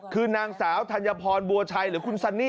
คือนางสาวธัญพรบัวชัยหรือคุณซันนี่